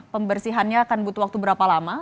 pembersihannya akan butuh waktu berapa lama